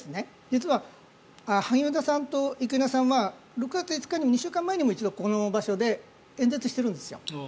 実は萩生田さんと生稲さんは６月５日の２週間前にも一度、この場所で演説をしているんですよ。